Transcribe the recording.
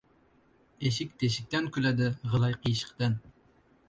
• Eshik teshikdan kuladi, g‘ilay ― qiyshiqdan.